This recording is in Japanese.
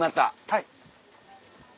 はい。